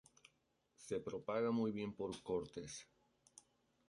Se propaga muy bien por cortes.